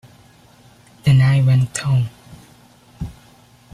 Then I went home.